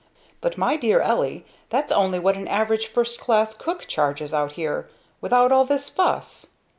But my dear Ellie, that's only what an ordinary first class cook charges, out here, without all this fuss!"